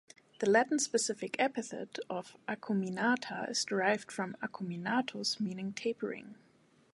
The Latin specific epithet of "acuminata" is derived from "acuminatus" meaning tapering.